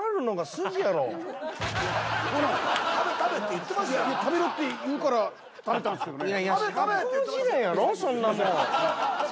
いや食べろって言うから食べたんですけどね。